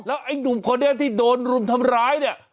ไอ้หนุ่มคนนี้ที่โดนรุมทำร้ายเนี่ย